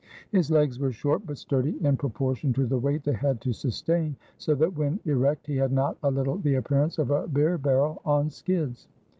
His legs were short but sturdy in proportion to the weight they had to sustain so that when erect he had not a little the appearance of a beer barrel on skids.